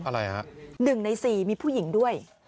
อะไรฮะ๑ใน๔มีผู้หญิงด้วย